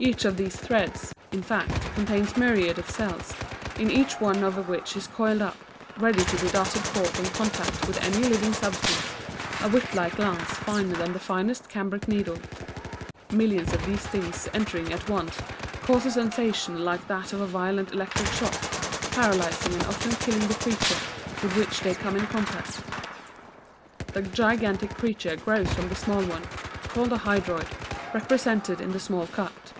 Each of these threads, in fact, contains myriads of cells, in each one of which is coiled up, ready to be darted forth on contact with any living substance, a whip like lance finer than the finest cambric needle. Millions of these stings entering at once cause a sensation like that of a violent electric shock, paralyzing and often killing the creature with which they come in contact. [Illustration: HYDROID FROM WHICH THE JELLY FISH GROWS.] This gigantic creature grows from the small one, called a hydroid, represented in the small cut.